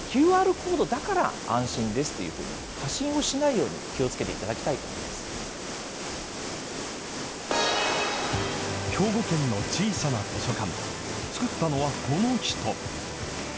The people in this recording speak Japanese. ただですね、ＱＲコードだから安心ですっていうふうに過信をしないように気をつけていただきたい兵庫県の小さな図書館。